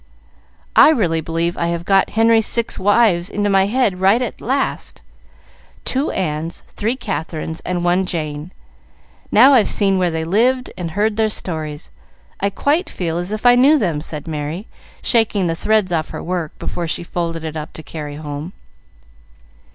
"I really believe I have got Henry's six wives into my head right at last. Two Annes, three Katherines, and one Jane. Now I've seen where they lived and heard their stories, I quite feel as if I knew them," said Merry, shaking the threads off her work before she folded it up to carry home.